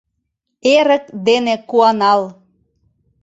Эрык дене куанал!